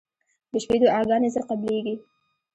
• د شپې دعاګانې زر قبلېږي.